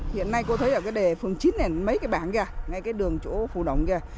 hiện nay cô thấy ở cái đề phường chín này mấy cái bảng ra ngay cái đường chỗ phụ động kia